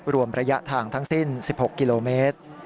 รวมระยะทางทั้งสิ้น๑๖กิโลเมตร